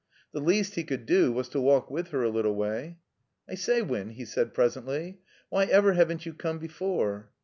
The least he could do was to walk with her a little way. "I say, Win," he said, presently, "why ever have n't you come before?"